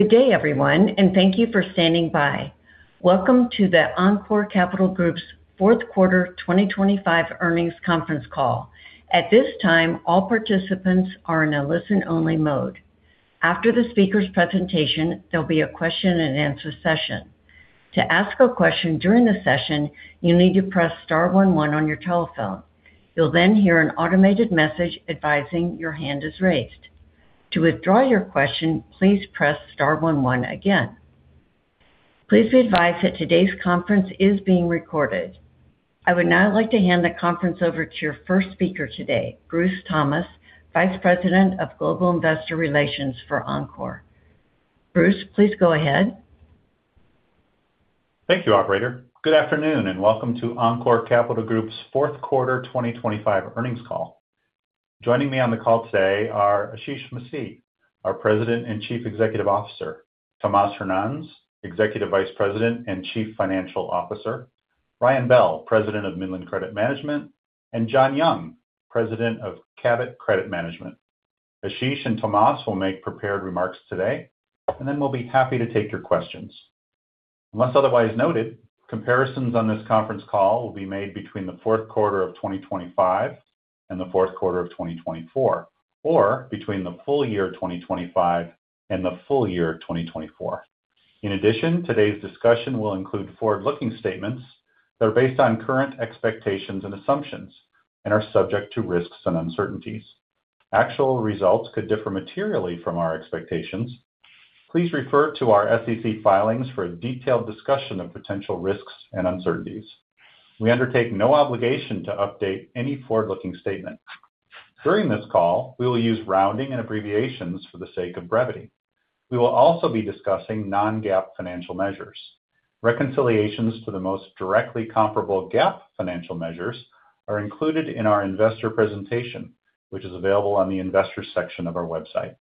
Good day, everyone, and thank you for standing by. Welcome to the Encore Capital Group's fourth quarter 2025 earnings conference call. At this time, all participants are in a listen-only mode. After the speaker's presentation, there'll be a question-and-answer session. To ask a question during the session, you need to press star one on your telephone. You'll then hear an automated message advising your hand is raised. To withdraw your question, please press star one again. Please be advised that today's conference is being recorded. I would now like to hand the conference over to your first speaker today, Bruce Thomas, Vice President of Global Investor Relations for Encore. Bruce, please go ahead. Thank you, operator. Good afternoon, welcome to Encore Capital Group's fourth quarter 2025 earnings call. Joining me on the call today are Ashish Masih, our President and Chief Executive Officer, Tomas Hernanz, Executive Vice President and Chief Financial Officer, Ryan Bell, President of Midland Credit Management, and Jon Yung, President of Cabot Credit Management. Ashish and Tomas will make prepared remarks today, then we'll be happy to take your questions. Unless otherwise noted, comparisons on this conference call will be made between the fourth quarter of 2025 and the fourth quarter of 2024, or between the full year of 2025 and the full year of 2024. Today's discussion will include forward-looking statements that are based on current expectations and assumptions and are subject to risks and uncertainties. Actual results could differ materially from our expectations. Please refer to our SEC filings for a detailed discussion of potential risks and uncertainties. We undertake no obligation to update any forward-looking statement. During this call, we will use rounding and abbreviations for the sake of brevity. We will also be discussing non-GAAP financial measures. Reconciliations to the most directly comparable GAAP financial measures are included in our investor presentation, which is available on the investor section of our website.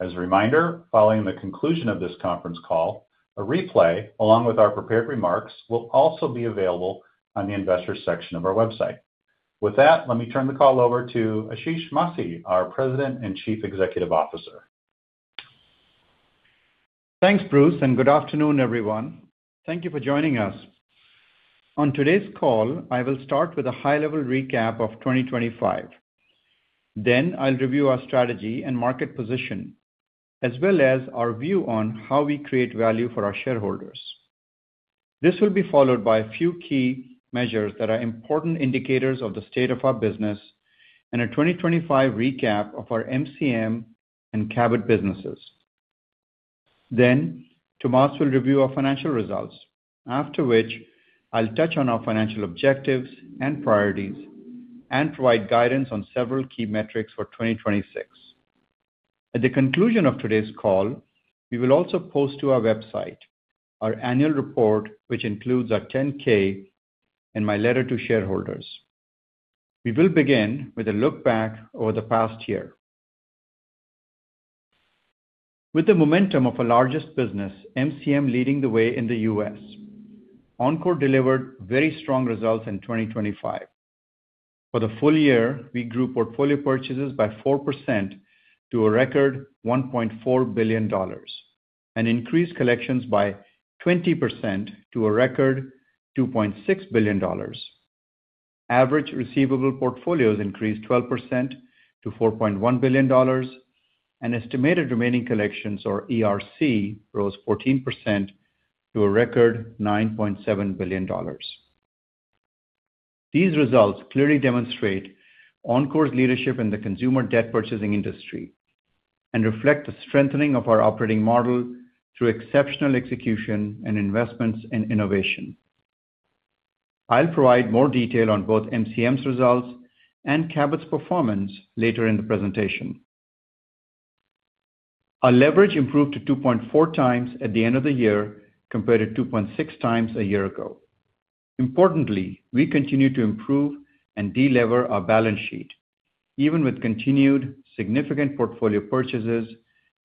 As a reminder, following the conclusion of this conference call, a replay, along with our prepared remarks, will also be available on the investor section of our website. With that, let me turn the call over to Ashish Masih, our President and Chief Executive Officer. Thanks, Bruce. Good afternoon, everyone. Thank you for joining us. On today's call, I will start with a high-level recap of 2025. I'll review our strategy and market position, as well as our view on how we create value for our shareholders. This will be followed by a few key measures that are important indicators of the state of our business and a 2025 recap of our MCM and Cabot businesses. Tomas will review our financial results, after which I'll touch on our financial objectives and priorities and provide guidance on several key metrics for 2026. At the conclusion of today's call, we will also post to our website our annual report, which includes our 10-K and my letter to shareholders. We will begin with a look back over the past year. With the momentum of our largest business, MCM, leading the way in the U.S., Encore delivered very strong results in 2025. For the full year, we grew portfolio purchases by 4% to a record $1.4 billion and increased collections by 20% to a record $2.6 billion. Average receivable portfolios increased 12% to $4.1 billion, and estimated remaining collections, or ERC, rose 14% to a record $9.7 billion. These results clearly demonstrate Encore's leadership in the consumer debt purchasing industry and reflect the strengthening of our operating model through exceptional execution and investments in innovation. I'll provide more detail on both MCM's results and Cabot's performance later in the presentation. Our leverage improved to 2.4x at the end of the year, compared to 2.6x a year ago. Importantly, we continue to improve and de-lever our balance sheet, even with continued significant portfolio purchases,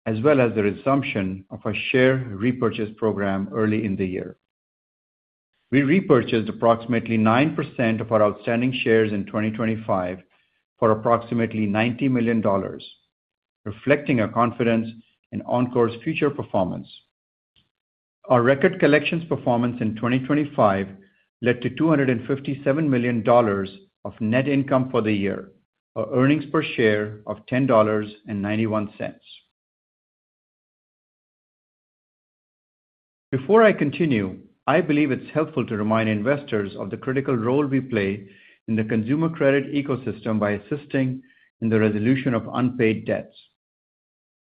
as well as the resumption of our share repurchase program early in the year. We repurchased approximately 9% of our outstanding shares in 2025 for approximately $90 million, reflecting our confidence in Encore's future performance. Our record collections performance in 2025 led to $257 million of net income for the year, our earnings per share of $10.91. Before I continue, I believe it's helpful to remind investors of the critical role we play in the consumer credit ecosystem by assisting in the resolution of unpaid debts.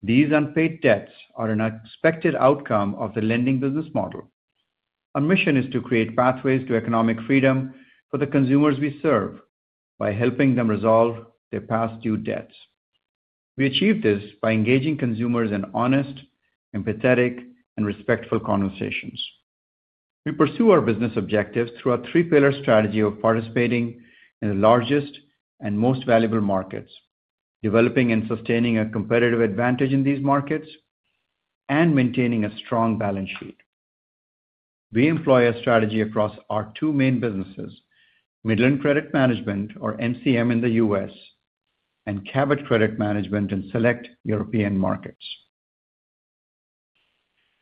These unpaid debts are an expected outcome of the lending business model. Our mission is to create pathways to economic freedom for the consumers we serve by helping them resolve their past due debts. We achieve this by engaging consumers in honest, empathetic, and respectful conversations. We pursue our business objectives through our three-pillar strategy of participating in the largest and most valuable markets, developing and sustaining a competitive advantage in these markets, and maintaining a strong balance sheet. We employ a strategy across our two main businesses, Midland Credit Management, or MCM in the U.S., and Cabot Credit Management in select European markets.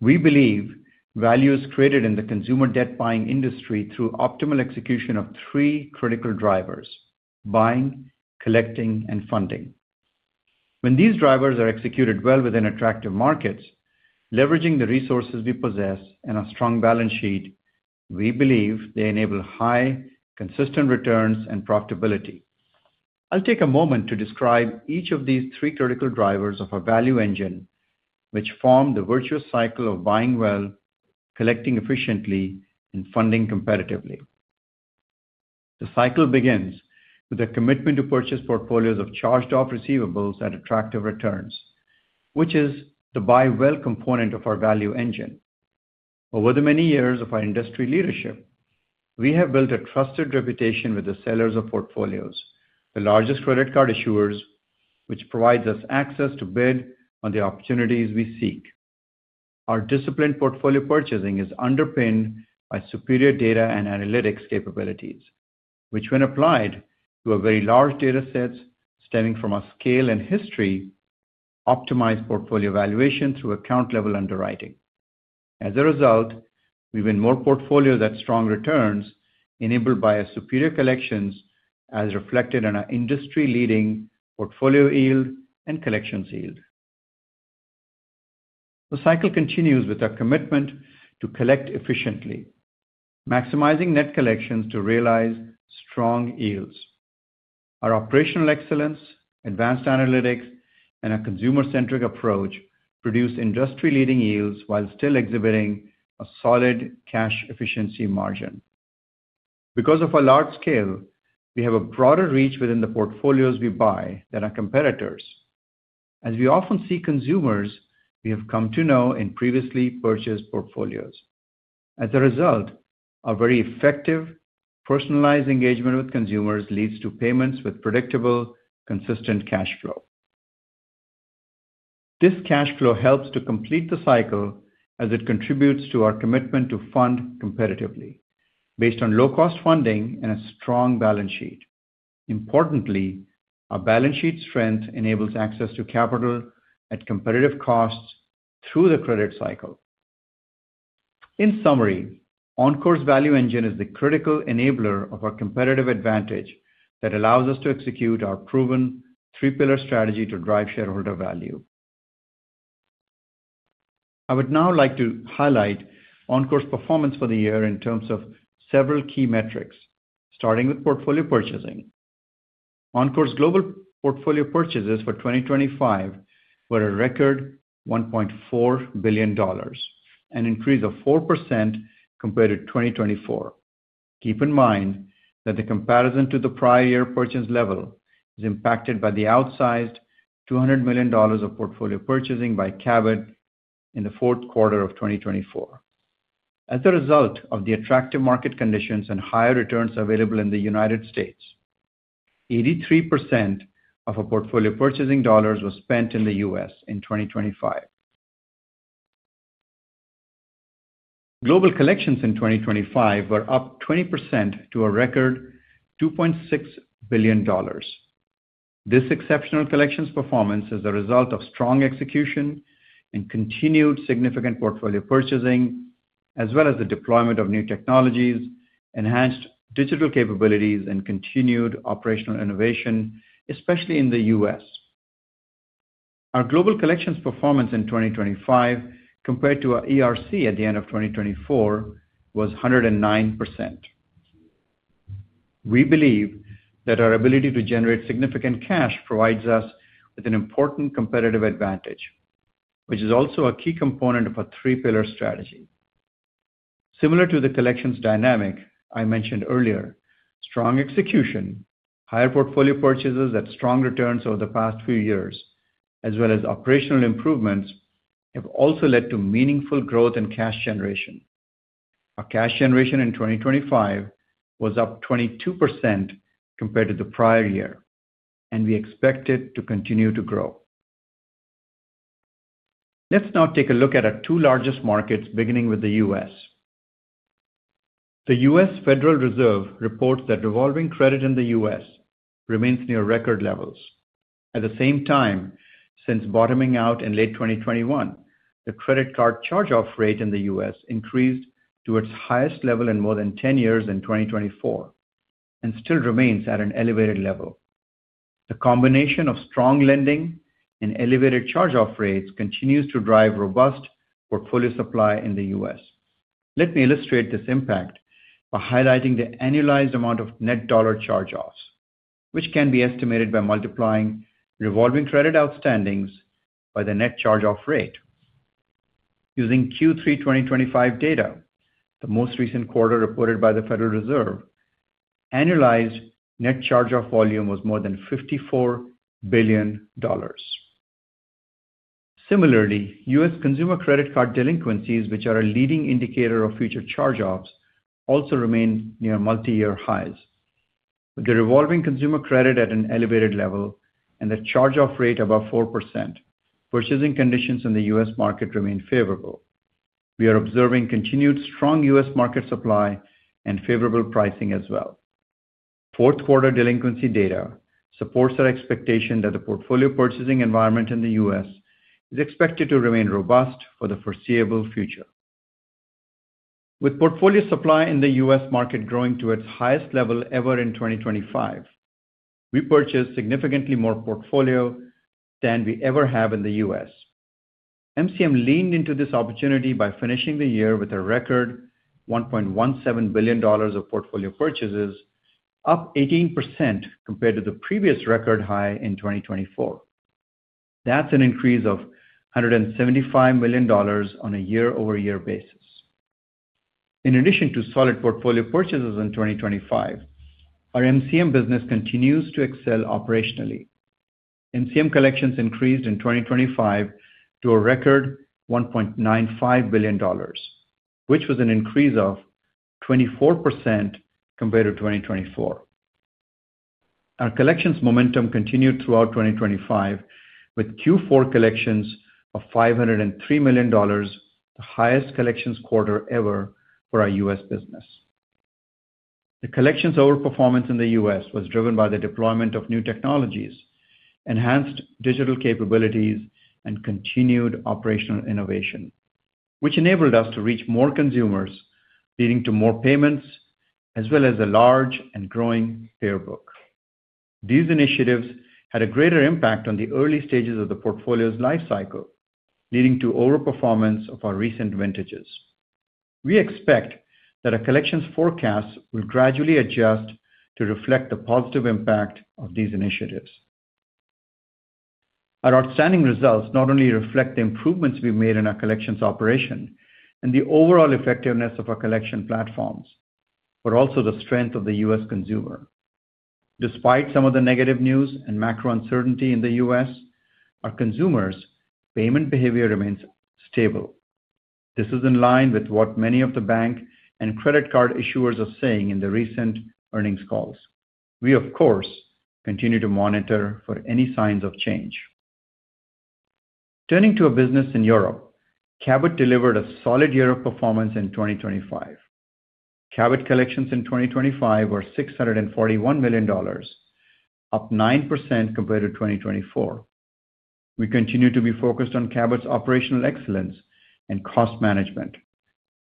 We believe value is created in the consumer debt buying industry through optimal execution of three critical drivers: buying, collecting, and funding. When these drivers are executed well within attractive markets, leveraging the resources we possess and a strong balance sheet, we believe they enable high, consistent returns and profitability. I'll take a moment to describe each of these three critical drivers of our value engine, which form the virtuous cycle of buying well, collecting efficiently, and funding competitively. The cycle begins with a commitment to purchase portfolios of charged-off receivables at attractive returns, which is the buy well component of our value engine. Over the many years of our industry leadership, we have built a trusted reputation with the sellers of portfolios, the largest credit card issuers, which provides us access to bid on the opportunities we seek. Our disciplined portfolio purchasing is underpinned by superior data and analytics capabilities, which when applied to a very large data sets stemming from our scale and history, optimize portfolio valuation through account-level underwriting. We win more portfolios at strong returns, enabled by a superior collections, as reflected in our industry-leading Portfolio yield and Collections yield. The cycle continues with our commitment to collect efficiently, maximizing net collections to realize strong yields. Our operational excellence, advanced analytics, and our consumer-centric approach produce industry-leading yields while still exhibiting a solid cash efficiency margin. Because of our large scale, we have a broader reach within the portfolios we buy than our competitors. As we often see consumers we have come to know in previously purchased portfolios. As a result, our very effective personalized engagement with consumers leads to payments with predictable, consistent cash flow. This cash flow helps to complete the cycle as it contributes to our commitment to fund competitively based on low-cost funding and a strong balance sheet. Importantly, our balance sheet strength enables access to capital at competitive costs through the credit cycle. In summary, Encore's value engine is the critical enabler of our competitive advantage that allows us to execute our proven three-pillar strategy to drive shareholder value. I would now like to highlight Encore's performance for the year in terms of several key metrics, starting with portfolio purchasing. Encore's global portfolio purchases for 2025 were a record $1.4 billion, an increase of 4% compared to 2024. Keep in mind that the comparison to the prior year purchase level is impacted by the outsized $200 million of portfolio purchasing by Cabot in the fourth quarter of 2024. As a result of the attractive market conditions and higher returns available in the United States, 83% of our portfolio purchasing dollars were spent in the U.S. in 2025. Global collections in 2025 were up 20% to a record $2.6 billion. This exceptional collections performance is a result of strong execution and continued significant portfolio purchasing, as well as the deployment of new technologies, enhanced digital capabilities, and continued operational innovation, especially in the U.S. Our global collections performance in 2025, compared to our ERC at the end of 2024, was 109%. We believe that our ability to generate significant cash provides us with an important competitive advantage, which is also a key component of our three-pillar strategy. Similar to the collections dynamic I mentioned earlier, strong execution, higher portfolio purchases at strong returns over the past few years, as well as operational improvements, have also led to meaningful growth in cash generation. Our cash generation in 2025 was up 22% compared to the prior year, and we expect it to continue to grow. Let's now take a look at our two largest markets, beginning with the U.S. The U.S. Federal Reserve reports that revolving credit in the U.S. remains near record levels. At the same time, since bottoming out in late 2021, the credit card charge-off rate in the U.S. increased to its highest level in more than 10 years in 2024 and still remains at an elevated level. The combination of strong lending and elevated charge-off rates continues to drive robust portfolio supply in the U.S. Let me illustrate this impact by highlighting the annualized amount of net dollar charge-offs, which can be estimated by multiplying revolving credit outstandings by the net charge-off rate. Using Q3 2025 data, the most recent quarter reported by the Federal Reserve, annualized net charge-off volume was more than $54 billion. Similarly, U.S. consumer credit card delinquencies, which are a leading indicator of future charge-offs, also remain near multi-year highs. With the revolving consumer credit at an elevated level and the charge-off rate above 4%, purchasing conditions in the U.S. market remain favorable. We are observing continued strong U.S. market supply and favorable pricing as well. Fourth quarter delinquency data supports our expectation that the portfolio purchasing environment in the U.S. is expected to remain robust for the foreseeable future. With portfolio supply in the U.S. market growing to its highest level ever in 2025, we purchased significantly more portfolio than we ever have in the U.S. MCM leaned into this opportunity by finishing the year with a record $1.17 billion of portfolio purchases, up 18% compared to the previous record high in 2024. That's an increase of $175 million on a year-over-year basis. In addition to solid portfolio purchases in 2025, our MCM business continues to excel operationally. MCM collections increased in 2025 to a record $1.95 billion, which was an increase of 24% compared to 2024. Our collections momentum continued throughout 2025, with Q4 collections of $503 million, the highest collections quarter ever for our U.S. business. The collections overperformance in the U.S. was driven by the deployment of new technologies, enhanced digital capabilities, and continued operational innovation, which enabled us to reach more consumers, leading to more payments, as well as a large and growing payer book. These initiatives had a greater impact on the early stages of the portfolio's life cycle, leading to overperformance of our recent vintages. We expect that our collections forecasts will gradually adjust to reflect the positive impact of these initiatives. Our outstanding results not only reflect the improvements we've made in our collections operation and the overall effectiveness of our collection platforms, but also the strength of the U.S. consumer. Despite some of the negative news and macro uncertainty in the U.S., our consumers' payment behavior remains stable. This is in line with what many of the bank and credit card issuers are saying in the recent earnings calls. We, of course, continue to monitor for any signs of change. Turning to our business in Europe, Cabot delivered a solid year of performance in 2025. Cabot collections in 2025 were $641 million, up 9% compared to 2024. We continue to be focused on Cabot's operational excellence and cost management,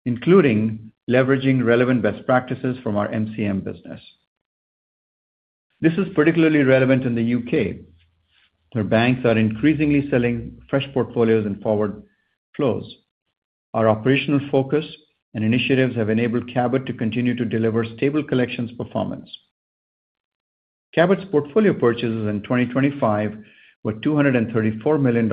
including leveraging relevant best practices from our MCM business. This is particularly relevant in the U.K., where banks are increasingly selling fresh portfolios and forward flows. Our operational focus and initiatives have enabled Cabot to continue to deliver stable collections performance. Cabot's portfolio purchases in 2025 were $234 million,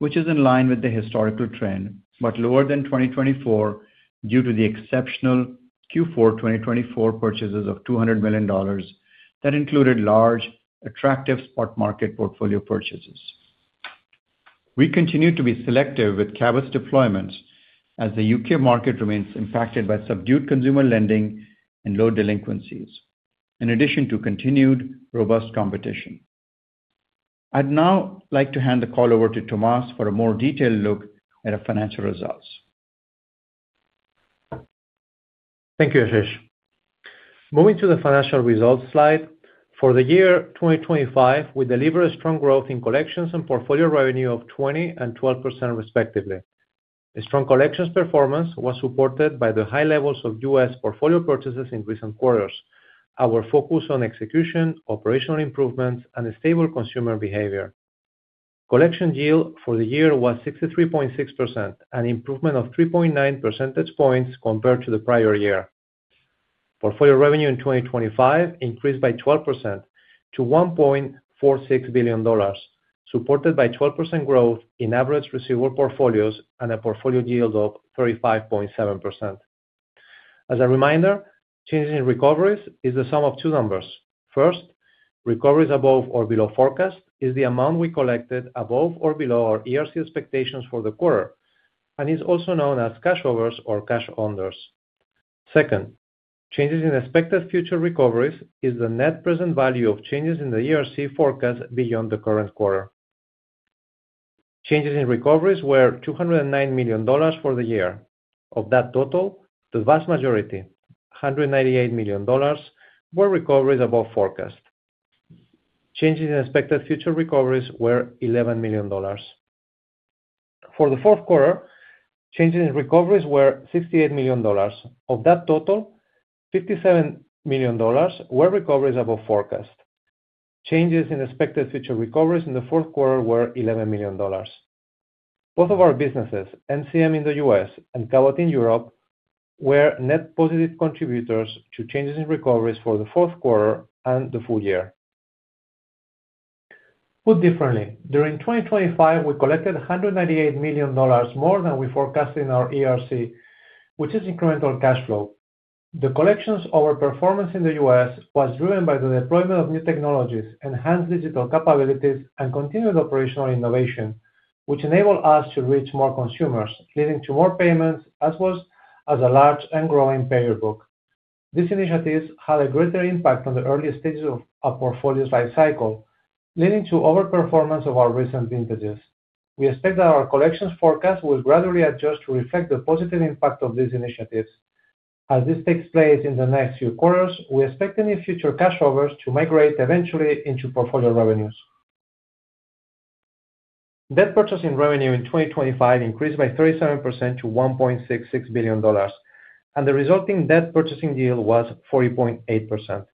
which is in line with the historical trend, but lower than 2024 due to the exceptional Q4 2024 purchases of $200 million that included large, attractive spot market portfolio purchases. We continue to be selective with Cabot's deployments as the U.K. market remains impacted by subdued consumer lending and low delinquencies, in addition to continued robust competition. I'd now like to hand the call over to Tomas for a more detailed look at our financial results. Thank you, Ashish. Moving to the financial results slide. For the year 2025, we delivered a strong growth in collections and portfolio revenue of 20% and 12%, respectively. A strong collections performance was supported by the high levels of U.S. portfolio purchases in recent quarters, our focus on execution, operational improvements, and a stable consumer behavior. Collection yield for the year was 63.6%, an improvement of 3.9 percentage points compared to the prior year. Portfolio revenue in 2025 increased by 12% to $1.46 billion, supported by 12% growth in average receivable portfolios and a portfolio yield of 35.7%. As a reminder, changes in recoveries is the sum of two numbers. First, recoveries above or below forecast is the amount we collected above or below our ERC expectations for the quarter, and is also known as cash overs or cash unders. Second, changes in expected future recoveries is the net present value of changes in the ERC forecast beyond the current quarter. Changes in recoveries were $209 million for the year. Of that total, the vast majority, $198 million, were recoveries above forecast. Changes in expected future recoveries were $11 million. For the fourth quarter, changes in recoveries were $68 million. Of that total, $57 million were recoveries above forecast. Changes in expected future recoveries in the fourth quarter were $11 million. Both of our businesses, MCM in the U.S. and Cabot in Europe, were net positive contributors to changes in recoveries for the fourth quarter and the full year. Put differently, during 2025, we collected $198 million more than we forecasted in our ERC, which is incremental cash flow. The collections overperformance in the U.S. was driven by the deployment of new technologies, enhanced digital capabilities, and continued operational innovation. which enable us to reach more consumers, leading to more payments as well as a large and growing payer book. These initiatives had a greater impact on the early stages of a portfolio's life cycle, leading to overperformance of our recent vintages. We expect that our collections forecast will gradually adjust to reflect the positive impact of these initiatives. As this takes place in the next few quarters, we expect any future cash overs to migrate eventually into portfolio revenues. Debt purchasing revenue in 2025 increased by 37% to $1.66 billion, and the resulting debt purchasing yield was 40.8%.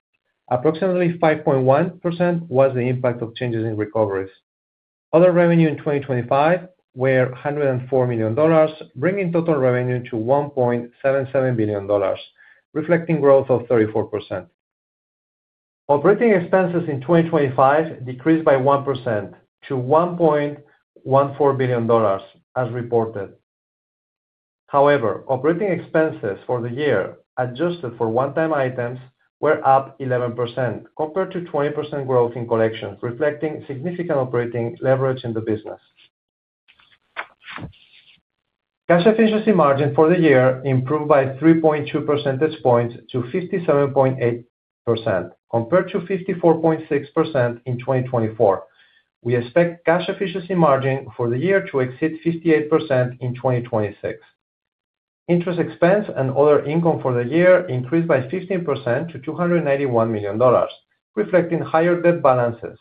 Approximately 5.1% was the impact of changes in recoveries. Other revenue in 2025 were $104 million, bringing total revenue to $1.77 billion, reflecting growth of 34%. Operating expenses in 2025 decreased by 1% to $1.14 billion, as reported. However, operating expenses for the year, adjusted for one-time items, were up 11% compared to 20% growth in collections, reflecting significant operating leverage in the business. Cash efficiency margin for the year improved by 3.2 percentage points to 57.8%, compared to 54.6% in 2024. We expect cash efficiency margin for the year to exceed 58% in 2026. Interest expense and other income for the year increased by 15% to $291 million, reflecting higher debt balances.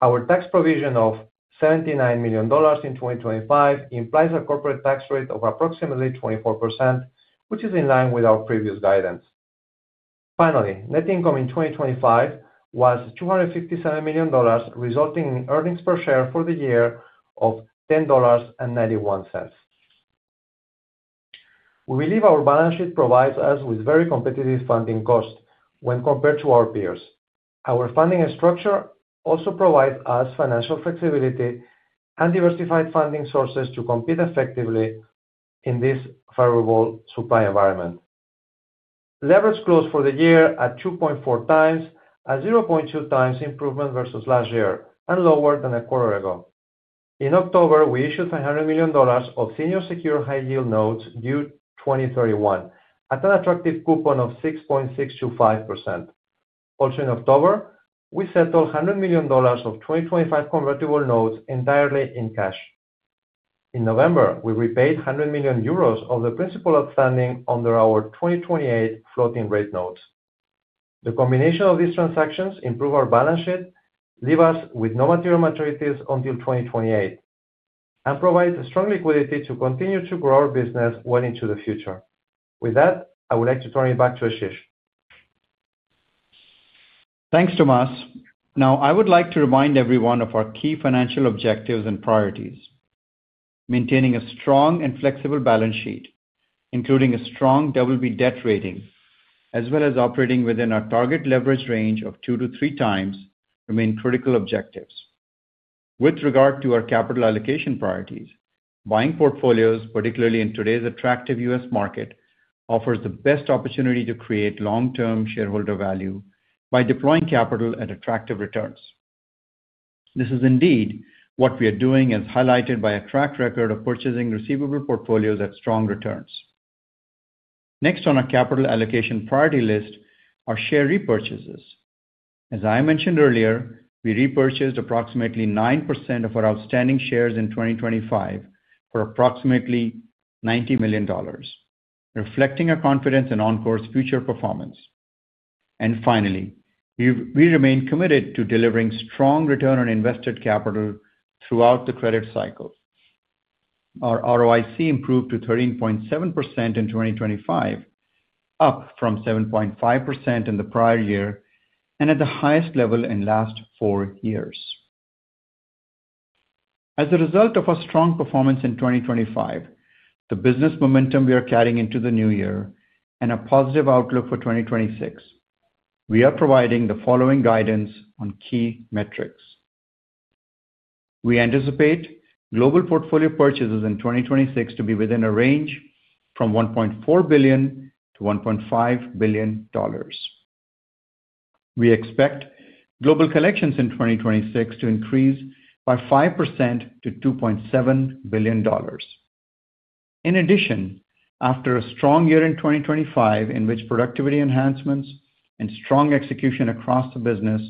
Our tax provision of $79 million in 2025 implies a corporate tax rate of approximately 24%, which is in line with our previous guidance. Finally, net income in 2025 was $257 million, resulting in earnings per share for the year of $10.91. We believe our balance sheet provides us with very competitive funding costs when compared to our peers. Our funding structure also provides us financial flexibility and diversified funding sources to compete effectively in this favorable supply environment. Leverage closed for the year at 2.4 times, a 0.2 times improvement versus last year and lower than a quarter ago. In October, we issued $100 million of senior secured high-yield notes due 2031, at an attractive coupon of 6.625%. Also, in October, we settled $100 million of 2025 convertible notes entirely in cash. In November, we repaid 100 million euros of the principal outstanding under our 2028 floating-rate notes. The combination of these transactions improve our balance sheet, leave us with no material maturities until 2028, and provide strong liquidity to continue to grow our business well into the future. With that, I would like to turn it back to Ashish. Thanks, Tomas. I would like to remind everyone of our key financial objectives and priorities. Maintaining a strong and flexible balance sheet, including a strong BB debt rating, as well as operating within our target leverage range of 2-3 times, remain critical objectives. With regard to our capital allocation priorities, buying portfolios, particularly in today's attractive U.S. market, offers the best opportunity to create long-term shareholder value by deploying capital at attractive returns. This is indeed what we are doing, as highlighted by a track record of purchasing receivable portfolios at strong returns. Next on our capital allocation priority list are share repurchases. As I mentioned earlier, we repurchased approximately 9% of our outstanding shares in 2025 for approximately $90 million, reflecting our confidence in Encore's future performance. Finally, we remain committed to delivering strong return on invested capital throughout the credit cycle. Our ROIC improved to 13.7% in 2025, up from 7.5% in the prior year, and at the highest level in last four years. As a result of our strong performance in 2025, the business momentum we are carrying into the new year, and a positive outlook for 2026, we are providing the following guidance on key metrics. We anticipate global portfolio purchases in 2026 to be within a range from $1.4 billion-$1.5 billion. We expect global collections in 2026 to increase by 5% to $2.7 billion. After a strong year in 2025, in which productivity enhancements and strong execution across the business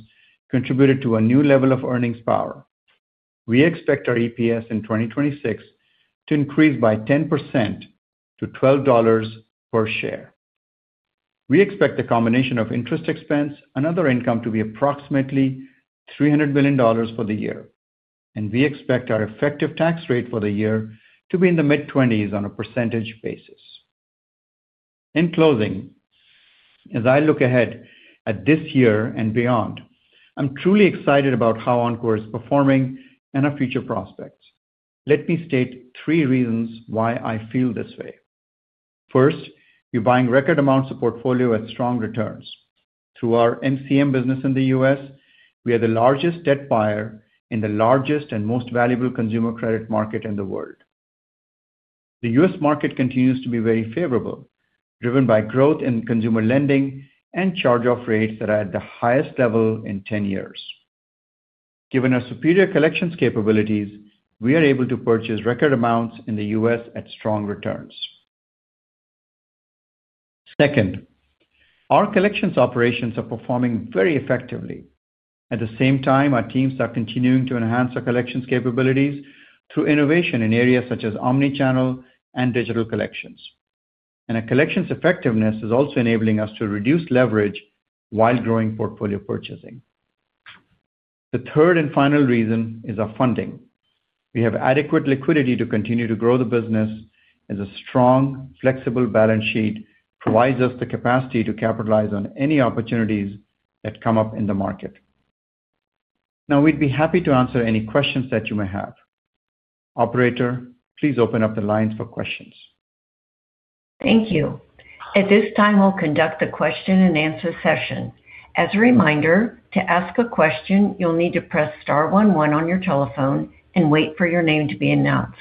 contributed to a new level of earnings power, we expect our EPS in 2026 to increase by 10% to $12 per share. We expect the combination of interest expense and other income to be approximately $300 billion for the year. We expect our effective tax rate for the year to be in the mid-twenties on a % basis. As I look ahead at this year and beyond, I'm truly excited about how Encore is performing and our future prospects. Let me state 3 reasons why I feel this way. First, we're buying record amounts of portfolio at strong returns. Through our MCM business in the U.S., we are the largest debt buyer in the largest and most valuable consumer credit market in the world. The U.S. market continues to be very favorable, driven by growth in consumer lending and charge-off rates that are at the highest level in 10 years. Given our superior collections capabilities, we are able to purchase record amounts in the U.S. at strong returns. Second, our collections operations are performing very effectively. At the same time, our teams are continuing to enhance our collections capabilities through innovation in areas such as omnichannel and digital collections. Our collections effectiveness is also enabling us to reduce leverage while growing portfolio purchasing. The third and final reason is our funding. We have adequate liquidity to continue to grow the business, as a strong, flexible balance sheet provides us the capacity to capitalize on any opportunities that come up in the market. We'd be happy to answer any questions that you may have. Operator, please open up the lines for questions. Thank you. At this time, we'll conduct the question-and-answer session. As a reminder, to ask a question, you'll need to press star one one on your telephone and wait for your name to be announced.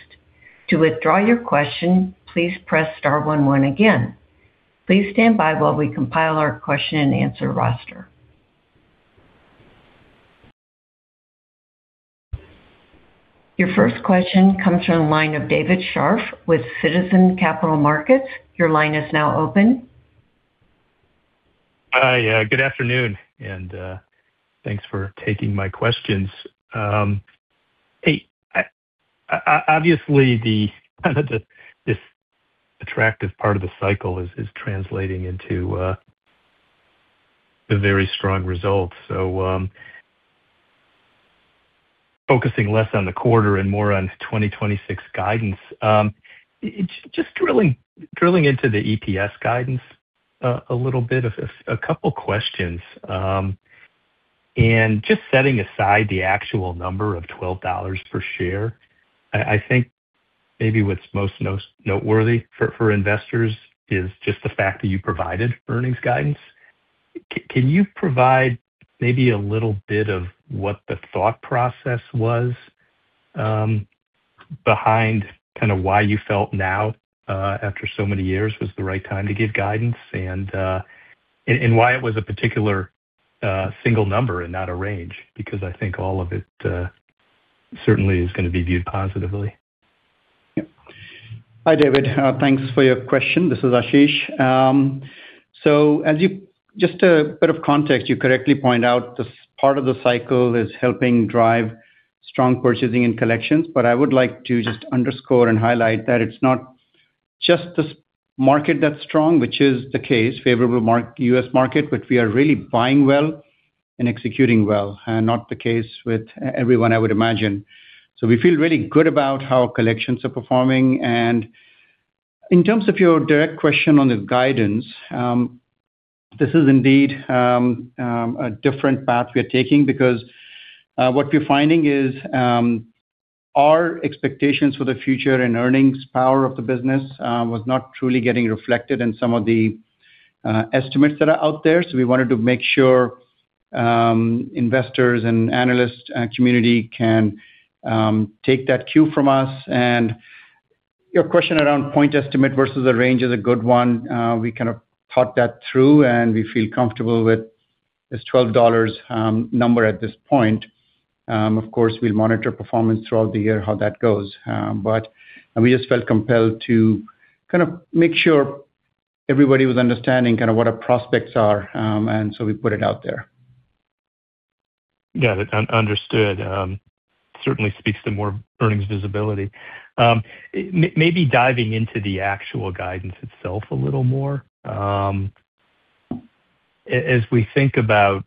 To withdraw your question, please press star one one again. Please stand by while we compile our question-and-answer roster. Your first question comes from the line of David Scharf with Citizens Capital Markets. Your line is now open. Hi, good afternoon, thanks for taking my questions. Obviously, kind of this attractive part of the cycle is translating into the very strong results. Focusing less on the quarter and more on 2026 guidance, just drilling into the EPS guidance a little bit. A couple questions. Just setting aside the actual number of $12 per share, I think maybe what's most noteworthy for investors is just the fact that you provided earnings guidance. Can you provide maybe a little bit of what the thought process was behind kind of why you felt now, after so many years, was the right time to give guidance, and why it was a particular single number and not a range? I think all of it, certainly is going to be viewed positively. Yep. Hi, David. Thanks for your question. This is Ashish. Just a bit of context, you correctly point out this part of the cycle is helping drive strong purchasing and collections, I would like to just underscore and highlight that it's not just this market that's strong, which is the case, favorable U.S. market, we are really buying well and executing well, and not the case with everyone, I would imagine. We feel really good about how collections are performing. In terms of your direct question on the guidance, this is indeed a different path we are taking because what we're finding is our expectations for the future and earnings power of the business was not truly getting reflected in some of the estimates that are out there. We wanted to make sure investors and analyst community can take that cue from us. Your question around point estimate versus a range is a good one. We kind of thought that through, and we feel comfortable with this $12 number at this point. Of course, we'll monitor performance throughout the year, how that goes. We just felt compelled to kind of make sure everybody was understanding kind of what our prospects are. We put it out there. Yeah, understood. Certainly speaks to more earnings visibility. Maybe diving into the actual guidance itself a little more. As we think about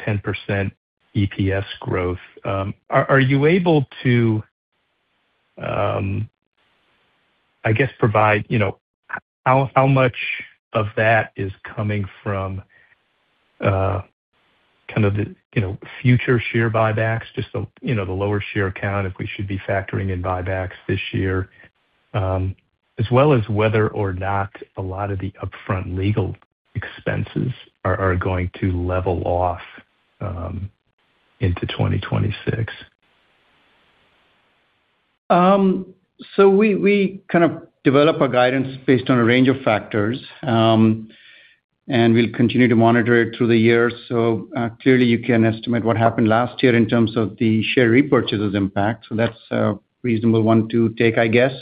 10% EPS growth, are you able to, I guess, provide, you know, how much of that is coming from, kind of the, you know, future share buybacks, just so, you know, the lower share count, if we should be factoring in buybacks this year? As well as whether or not a lot of the upfront legal expenses are going to level off into 2026? We kind of develop our guidance based on a range of factors, and we'll continue to monitor it through the year. Clearly, you can estimate what happened last year in terms of the share repurchases impact. That's a reasonable one to take, I guess,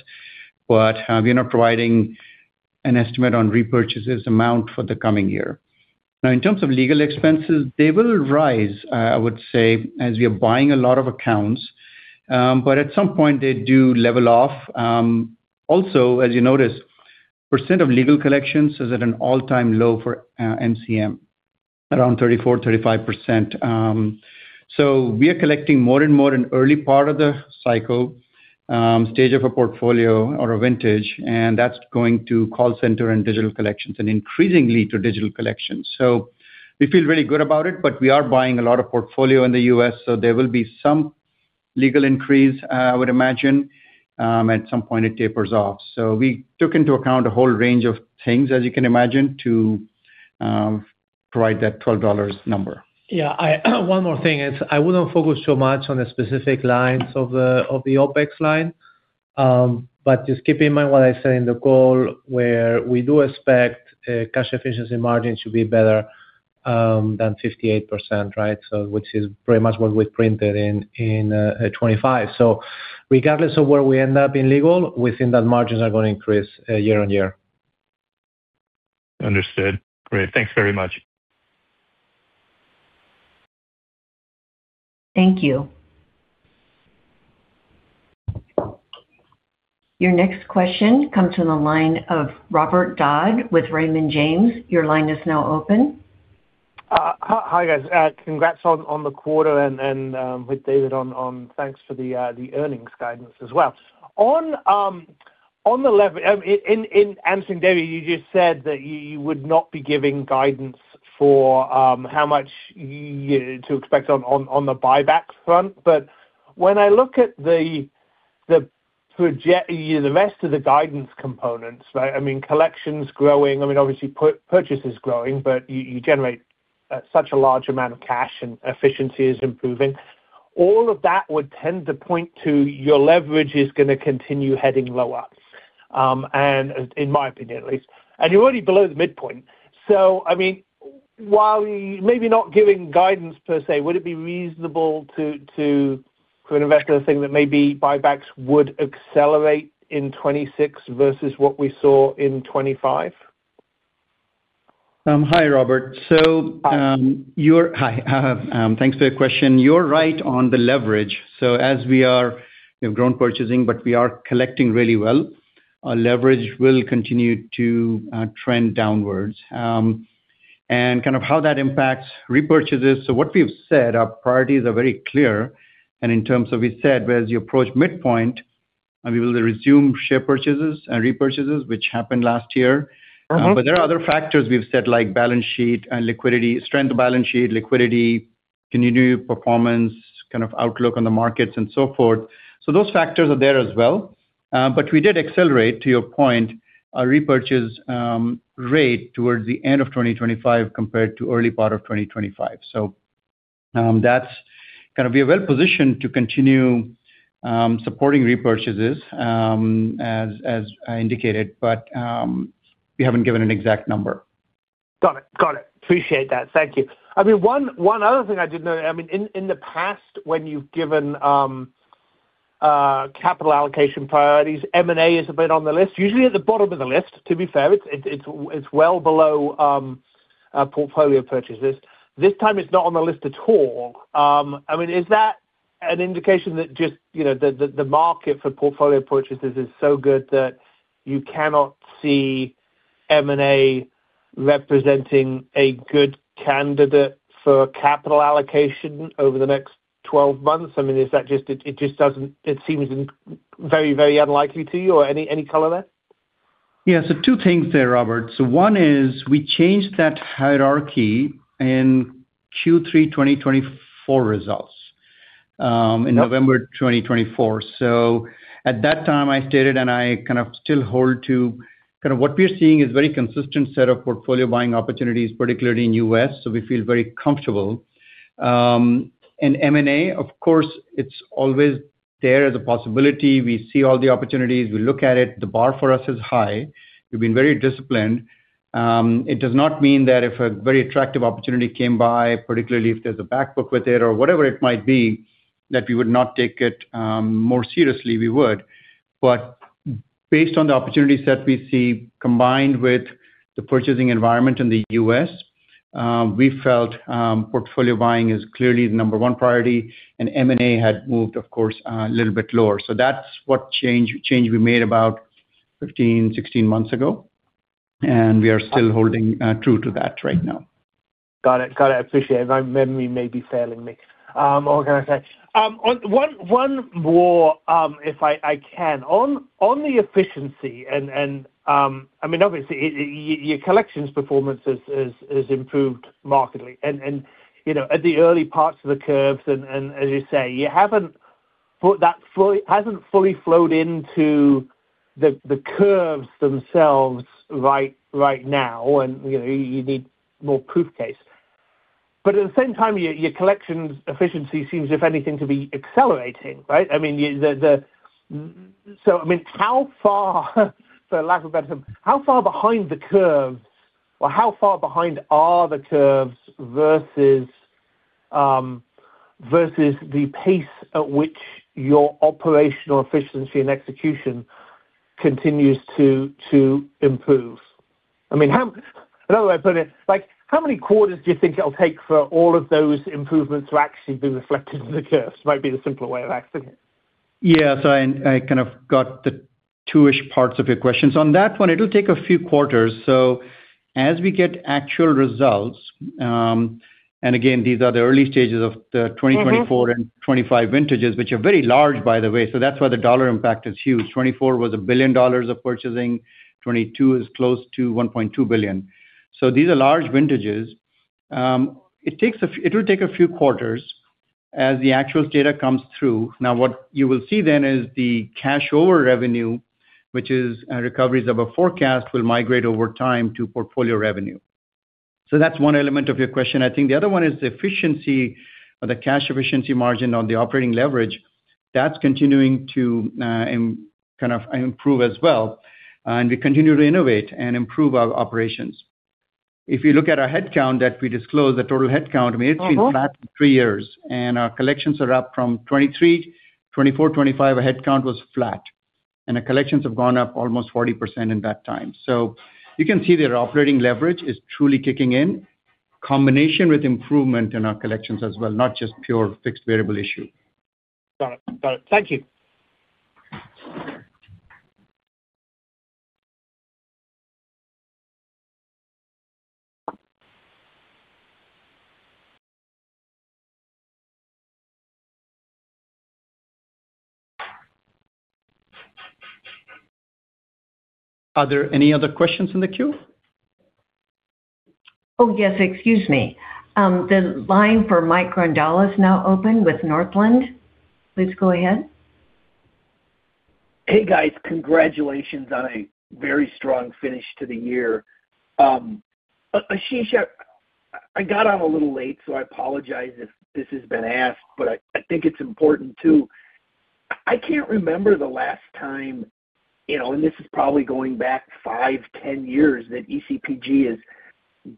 but we are not providing an estimate on repurchases amount for the coming year. In terms of legal expenses, they will rise, I would say, as we are buying a lot of accounts, but at some point, they do level off. Also, as you notice, percent of legal collections is at an all-time low for MCM, around 34%-35%. We are collecting more and more in early part of the cycle, stage of a portfolio or a vintage, and that's going to call center and digital collections and increasingly to digital collections. We feel really good about it, but we are buying a lot of portfolio in the U.S., there will be some legal increase, I would imagine, at some point it tapers off. We took into account a whole range of things, as you can imagine, provide that $12 number. I, one more thing is I wouldn't focus so much on the specific lines of the OpEx line. But just keep in mind what I said in the call, where we do expect cash efficiency margins to be better than 58%, right? Which is pretty much what we printed in 2025. Regardless of where we end up in legal, we think that margins are going to increase year-on-year. Understood. Great. Thanks very much. Thank you. Your next question comes from the line of Robert Dodd with Raymond James. Your line is now open. Hi, guys. Congrats on the quarter and with David on thanks for the earnings guidance as well. On in answering David, you just said that you would not be giving guidance for how much to expect on the buyback front. When I look at the project, the rest of the guidance components, right? I mean, collections growing, I mean, obviously, purchase is growing, but you generate such a large amount of cash and efficiency is improving. All of that would tend to point to your leverage is gonna continue heading lower, and in my opinion, at least. You're already below the midpoint. I mean, while you maybe not giving guidance per se, would it be reasonable to for an investor to think that maybe buybacks would accelerate in 2026 versus what we saw in 2025? Hi, Robert. Hi. Hi. thanks for your question. You're right on the leverage. As we are, we've grown purchasing, but we are collecting really well, our leverage will continue to trend downwards. Kind of how that impacts repurchases. What we've said, our priorities are very clear, and in terms of we said, as you approach midpoint, and we will resume share purchases and repurchases, which happened last year. Mm-hmm. There are other factors we've said, like balance sheet and liquidity, strength of balance sheet, liquidity, continued performance, kind of outlook on the markets and so forth. Those factors are there as well. We did accelerate, to your point, our repurchase rate towards the end of 2025 compared to early part of 2025. That's kind of we're well-positioned to continue supporting repurchases as I indicated, but we haven't given an exact number. Got it. Appreciate that. Thank you. I mean, one other thing I did know, I mean, in the past, when you've given capital allocation priorities, M&A is a bit on the list, usually at the bottom of the list, to be fair. It's well below portfolio purchases. This time it's not on the list at all. I mean, is that an indication that just, you know, the market for portfolio purchases is so good that you cannot see M&A representing a good candidate for capital allocation over the next 12 months? I mean, is that just, it seems in very, very unlikely to you or any color there? Yeah, two things there, Robert. One is, we changed that hierarchy in Q3 2024 results. Okay in November 2024. At that time, I stated, and I kind of still hold to, kind of what we're seeing is very consistent set of portfolio buying opportunities, particularly in U.S., so we feel very comfortable. M&A, of course, it's always there as a possibility. We see all the opportunities, we look at it. The bar for us is high. We've been very disciplined. It does not mean that if a very attractive opportunity came by, particularly if there's a back book with it or whatever it might be, that we would not take it, more seriously, we would. Based on the opportunities that we see, combined with the purchasing environment in the U.S., we felt, portfolio buying is clearly the number one priority, and M&A had moved, of course, a little bit lower. That's what change we made about 15, 16 months ago, and we are still holding true to that right now. Got it. Got it. Appreciate it. My memory may be failing me. What can I say? One more, if I can. On the efficiency and, I mean, obviously, your collections performance is improved markedly and, you know, at the early parts of the curves and as you say, you haven't put that fully flowed into the curves themselves right now, and, you know, you need more proof case. At the same time, your collections efficiency seems, if anything, to be accelerating, right? I mean, so I mean, how far, for lack of a better term, how far behind the curves, or how far behind are the curves versus the pace at which your operational efficiency and execution continues to improve? I mean, how, another way to put it, like, how many quarters do you think it'll take for all of those improvements to actually be reflected in the curves? Might be the simpler way of asking it. Yeah. I kind of got the 2-ish parts of your questions. On that one, it'll take a few quarters. As we get actual results, and again, these are the early stages of the 2024- Mm-hmm -and 2025 vintages, which are very large, by the way, so that's why the dollar impact is huge. 2024 was $1 billion of purchasing, 2022 is close to $1.2 billion. These are large vintages. It will take a few quarters as the actual data comes through. What you will see then is the cash over revenue, which is recoveries of a forecast, will migrate over time to portfolio revenue. That's one element of your question. I think the other one is the efficiency or the cash efficiency margin on the operating leverage. That's continuing to kind of improve as well, and we continue to innovate and improve our operations. If you look at our headcount that we disclosed, the total headcount, we've seen flat 3 years. Our collections are up from 2023, 2024, 2025. Our headcount was flat, and our collections have gone up almost 40% in that time. You can see that our operating leverage is truly kicking in, combination with improvement in our collections as well, not just pure fixed variable issue. Got it. Got it. Thank you. Are there any other questions in the queue? Oh, yes, excuse me. The line for Mike Grondahl is now open with Northland. Please go ahead. Hey, guys, congratulations on a very strong finish to the year. Ashish, I got on a little late, so I apologize if this has been asked, but I think it's important, too. I can't remember the last time, you know, and this is probably going back 5, 10 years, that ECPG has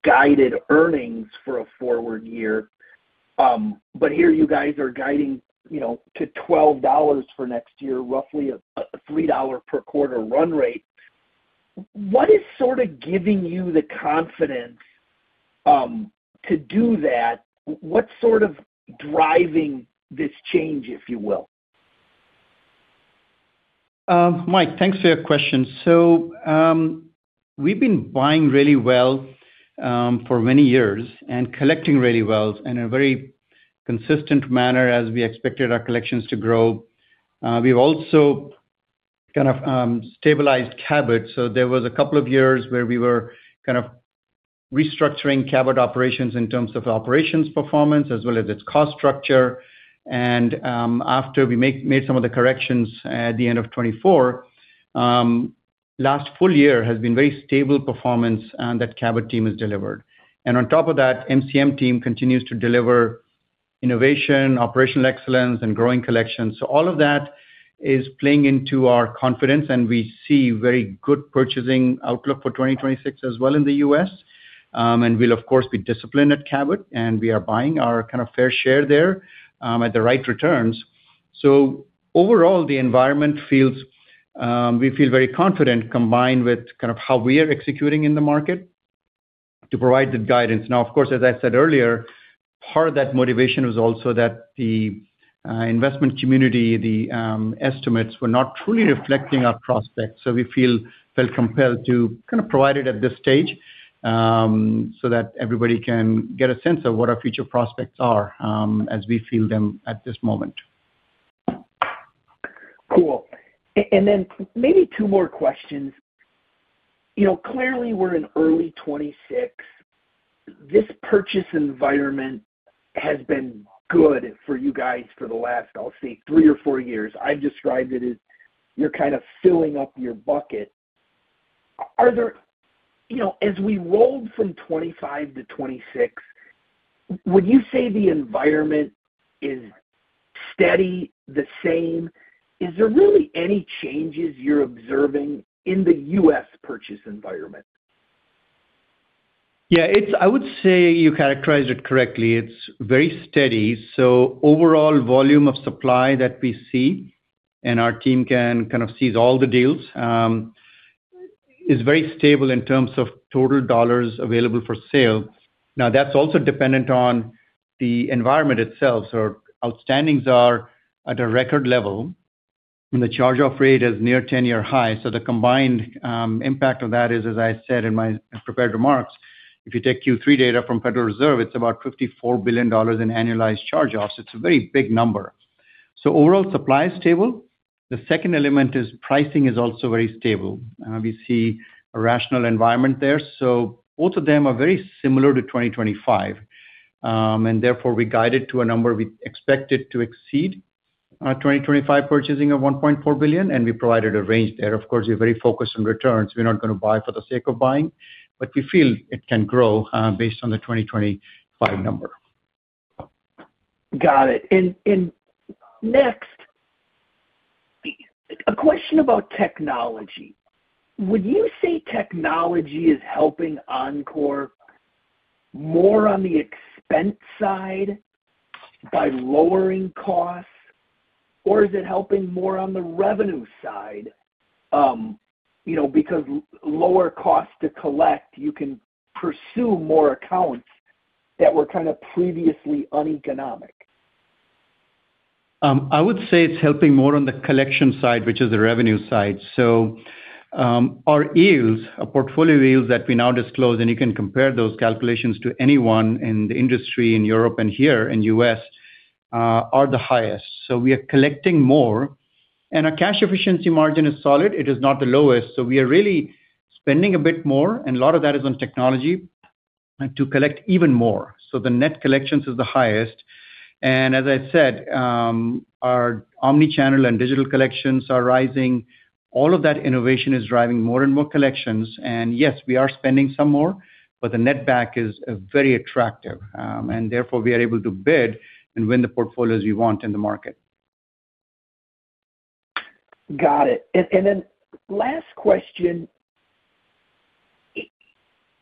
guided earnings for a forward year. Here you guys are guiding, you know, to $12 for next year, roughly a $3-per-quarter run rate. What is sort of giving you the confidence to do that? What's sort of driving this change, if you will? Mike, thanks for your question. We've been buying really well for many years and collecting really well in a very consistent manner as we expected our collections to grow. We've also kind of stabilized Cabot, so there was a couple of years where we were kind of restructuring Cabot operations in terms of operations performance, as well as its cost structure. After we made some of the corrections at the end of 2024, last full year has been very stable performance, and that Cabot team has delivered. On top of that, MCM team continues to deliver innovation, operational excellence, and growing collections. All of that is playing into our confidence, and we see very good purchasing outlook for 2026 as well in the U.S. We'll of course, be disciplined at Cabot, and we are buying our kind of fair share there, at the right returns. Overall, the environment feels, we feel very confident, combined with kind of how we are executing in the market to provide the guidance. Of course, as I said earlier, part of that motivation was also that the investment community, the estimates, were not truly reflecting our prospects. We felt compelled to kind of provide it at this stage, so that everybody can get a sense of what our future prospects are, as we feel them at this moment. Cool. Then maybe two more questions. You know, clearly, we're in early 2026. This purchase environment has been good for you guys for the last, I'll say, three or four years. I've described it as you're kind of filling up your bucket. You know, as we rolled from 2025 to 2026, would you say the environment is steady, the same? Is there really any changes you're observing in the U.S. purchase environment? Yeah, I would say you characterized it correctly. It's very steady. Overall volume of supply that we see, and our team can, kind of, sees all the deals, is very stable in terms of total dollars available for sale. Now, that's also dependent on the environment itself. Our outstandings are at a record level, and the charge-off rate is near 10-year high. The combined impact of that is, as I said in my prepared remarks, if you take Q3 data from Federal Reserve, it's about $54 billion in annualized charge-offs. It's a very big number. Overall supply is stable. The second element is pricing is also very stable. We see a rational environment there, so both of them are very similar to 2025. Therefore, we guided to a number we expected to exceed, 2025 purchasing of $1.4 billion, and we provided a range there. Of course, we're very focused on returns. We're not gonna buy for the sake of buying, but we feel it can grow, based on the 2025 number. Got it. Next, a question about technology. Would you say technology is helping Encore more on the expense side by lowering costs, or is it helping more on the revenue side? You know, because lower costs to collect, you can pursue more accounts that were kind of previously uneconomic. I would say it's helping more on the collection side, which is the revenue side. Our yields, our portfolio yields that we now disclose, and you can compare those calculations to anyone in the industry, in Europe and here in U.S., are the highest. We are collecting more. Our cash efficiency margin is solid. It is not the lowest, so we are really spending a bit more, and a lot of that is on technology, to collect even more. The net collections is the highest. As I said, our omnichannel and digital collections are rising. All of that innovation is driving more and more collections. Yes, we are spending some more, but the net back is very attractive. We are able to bid and win the portfolios we want in the market. Got it. Then last question.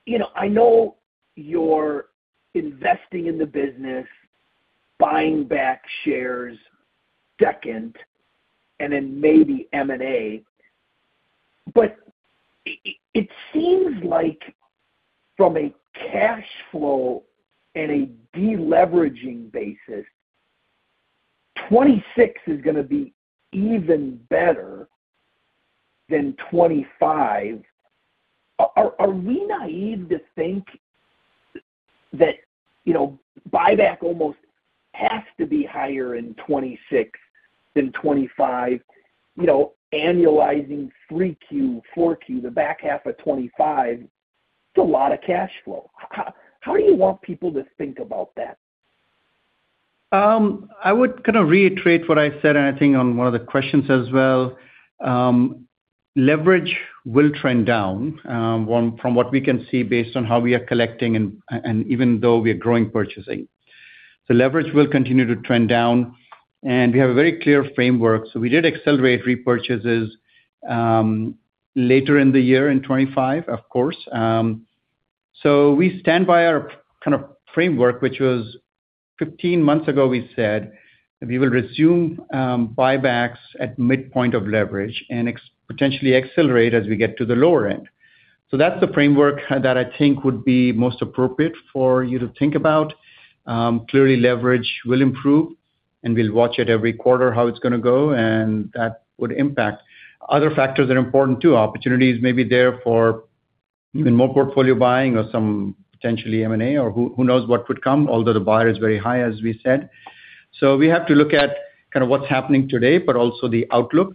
You know, I know you're investing in the business, buying back shares second, and then maybe M&A, but it seems like from a cash flow and a deleveraging basis, 2026 is going to be even better than 2025. Are we naive to think that, you know, buyback almost has to be higher in 2026 than 2025? You know, annualizing 3Q, 4Q, the back half of 2025, it's a lot of cash flow. How do you want people to think about that? I would kind of reiterate what I said, and I think on one of the questions as well. Leverage will trend down from what we can see based on how we are collecting and even though we are growing purchasing. Leverage will continue to trend down, and we have a very clear framework. We did accelerate repurchases later in the year in 25, of course. We stand by our kind of framework, which was 15 months ago, we said that we will resume buybacks at midpoint of leverage and potentially accelerate as we get to the lower end. That's the framework that I think would be most appropriate for you to think about. Clearly, leverage will improve, and we'll watch it every quarter, how it's going to go, and that would impact. Other factors are important too. Opportunities may be there for even more portfolio buying or some potentially M&A, or who knows what would come, although the buyer is very high, as we said. We have to look at kind of what's happening today, but also the outlook,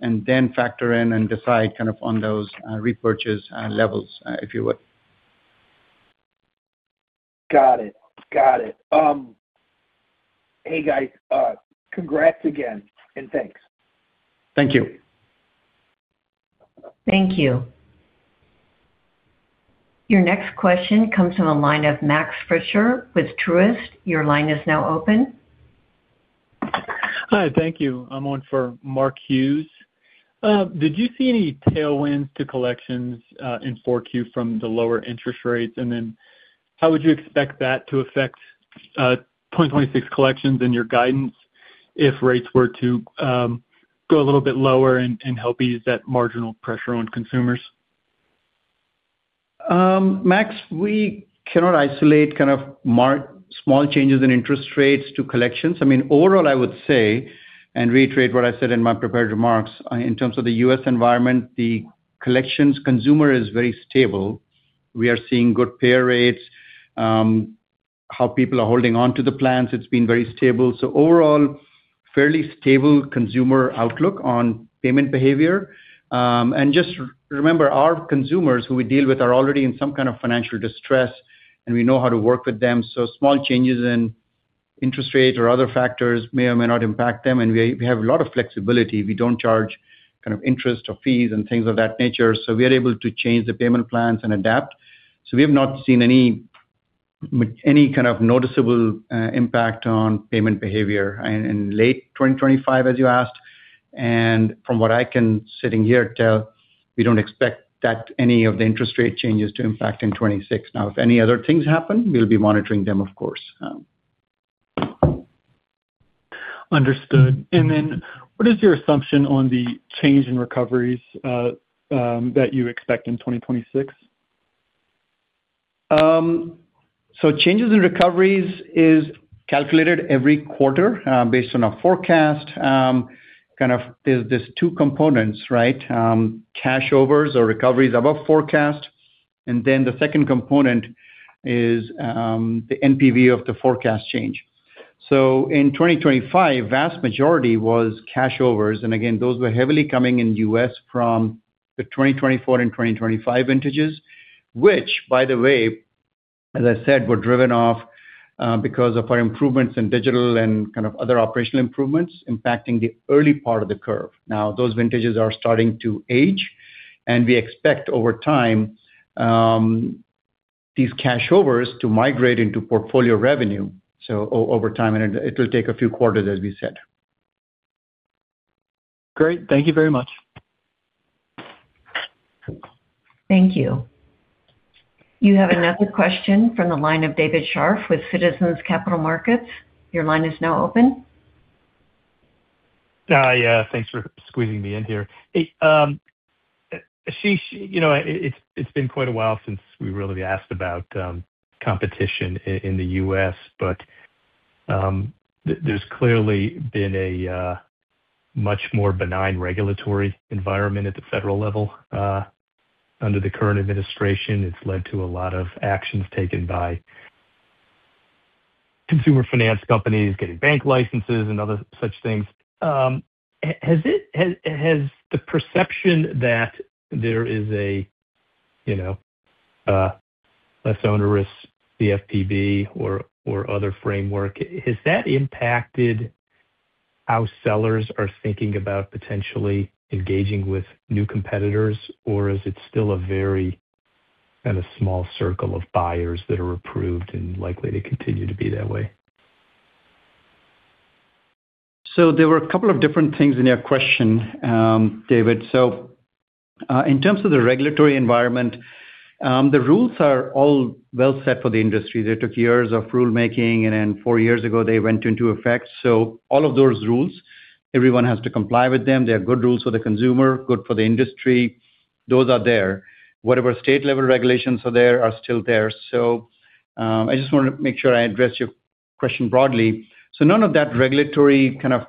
and then factor in and decide kind of on those repurchase levels, if you would. Got it. Got it. Hey, guys, congrats again, and thanks. Thank you. Thank you. Your next question comes from the line of Max Fritscher with Truist. Your line is now open. Hi, thank you. I'm on for Mark Hughes. Did you see any tailwinds to collections in four Q from the lower interest rates? How would you expect that to affect 2026 collections and your guidance if rates were to go a little bit lower and help ease that marginal pressure on consumers? Max, we cannot isolate kind of mark small changes in interest rates to collections. I mean, overall, I would say, and reiterate what I said in my prepared remarks, in terms of the U.S. environment, the collections consumer is very stable. We are seeing good pay rates, how people are holding on to the plans, it's been very stable. Overall, fairly stable consumer outlook on payment behavior. Just remember, our consumers who we deal with are already in some kind of financial distress, and we know how to work with them. Small changes in interest rates or other factors may or may not impact them, and we have a lot of flexibility. We don't charge kind of interest or fees and things of that nature, so we are able to change the payment plans and adapt. We have not seen any kind of noticeable impact on payment behavior in late 2025, as you asked, and from what I can sitting here tell, we don't expect that any of the interest rate changes to impact in 2026. If any other things happen, we'll be monitoring them, of course. Understood. Then what is your assumption on the change in recoveries that you expect in 2026? Changes in recoveries is calculated every quarter, based on a forecast. Kind of there's two components, right? Cash overs or recoveries above forecast, and then the second component is the NPV of the forecast change. In 2025, vast majority was cash overs, and again, those were heavily coming in the U.S. from the 2024 and 2025 vintages, which, by the way, as I said, were driven off because of our improvements in digital and kind of other operational improvements impacting the early part of the curve. Those vintages are starting to age, and we expect over time, these cash overs to migrate into portfolio revenue, over time, and it will take a few quarters, as we said. Great. Thank you very much. Thank you. You have another question from the line of David Scharf with Citizens Capital Markets. Your line is now open. Hi, thanks for squeezing me in here. Hey, Ashish, you know, it's been quite a while since we really asked about competition in the U.S., but there's clearly been a much more benign regulatory environment at the federal level under the current administration. It's led to a lot of actions taken by consumer finance companies getting bank licenses and other such things. Has the perception that there is a, you know, less onerous CFPB or other framework, has that impacted how sellers are thinking about potentially engaging with new competitors? Is it still a very, kind of, small circle of buyers that are approved and likely to continue to be that way? There were a couple of different things in your question, David. In terms of the regulatory environment, the rules are all well set for the industry. They took years of rulemaking, and then 4 years ago, they went into effect. All of those rules, everyone has to comply with them. They're good rules for the consumer, good for the industry. Those are there. Whatever state-level regulations are there are still there. I just want to make sure I address your question broadly. None of that regulatory kind of,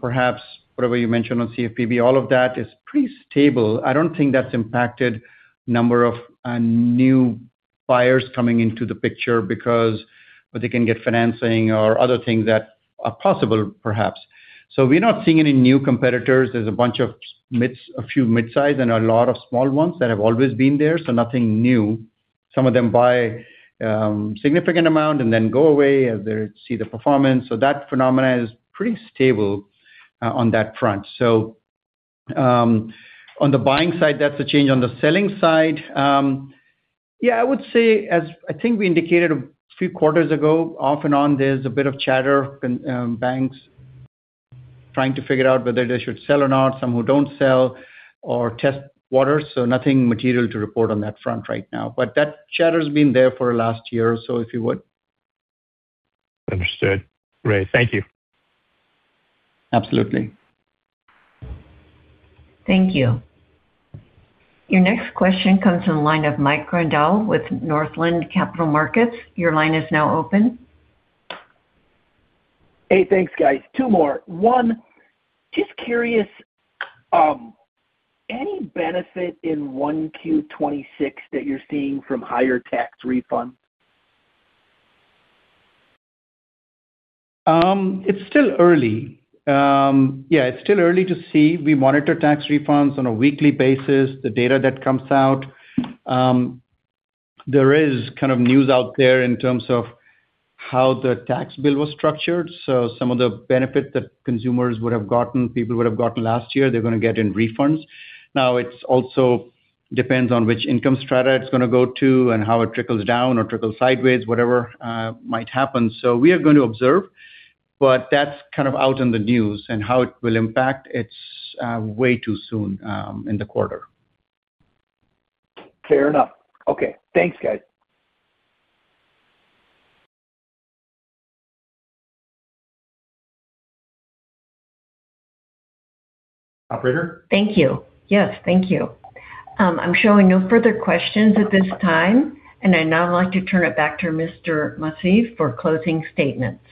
perhaps whatever you mentioned on CFPB, all of that is pretty stable. I don't think that's impacted number of new buyers coming into the picture because they can get financing or other things that are possible, perhaps. We're not seeing any new competitors. There's a bunch of mids, a few mid-size and a lot of small ones that have always been there, so nothing new. Some of them buy significant amount and then go away as they see the performance. That phenomena is pretty stable on that front. On the buying side, that's a change. On the selling side, yeah, I would say, as I think we indicated a few quarters ago, off and on, there's a bit of chatter and banks trying to figure out whether they should sell or not, some who don't sell or test waters, so nothing material to report on that front right now. That chatter's been there for the last year or so, if you would. Understood. Great. Thank you. Absolutely. Thank you. Your next question comes from the line of Mike Grondahl with Northland Capital Markets. Your line is now open. Hey, thanks, guys. 2 more. 1, just curious, any benefit in 1Q 2026 that you're seeing from higher tax refunds? It's still early. Yeah, it's still early to see. We monitor tax refunds on a weekly basis, the data that comes out. There is kind of news out there in terms of how the tax bill was structured. Some of the benefit that consumers would have gotten, people would have gotten last year, they're gonna get in refunds. It's also depends on which income strata it's gonna go to and how it trickles down or trickles sideways, whatever might happen. We are going to observe, but that's kind of out in the news and how it will impact, it's way too soon in the quarter. Fair enough. Okay. Thanks, guys. Operator? Thank you. Yes, thank you. I'm showing no further questions at this time, I'd now like to turn it back to Mr. Masih for closing statements.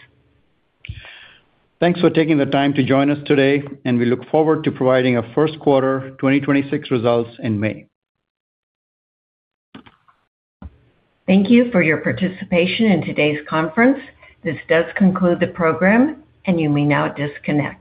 Thanks for taking the time to join us today, and we look forward to providing a first quarter 2026 results in May. Thank you for your participation in today's conference. This does conclude the program, and you may now disconnect.